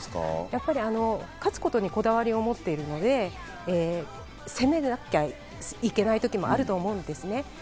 やっぱり勝つことにこだわりを持っているので、攻めなきゃいけない時もあると思うんですね。